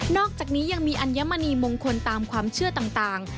อกจากนี้ยังมีอัญมณีมงคลตามความเชื่อต่าง